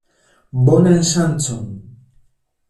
Bonan ŝancon!